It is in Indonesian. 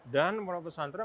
dan pondok pesantren